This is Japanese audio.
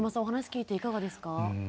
お話聞いていかがですか？